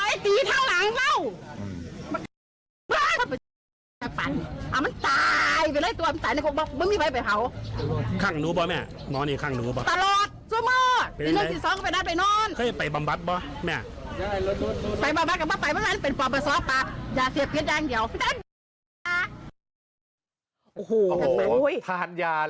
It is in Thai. ยาเสพก็ได้เดี๋ยวนั้นโอ้โหถ้านยาแหละเป็นไงล่ะรอบสุดท้ายเนี้ย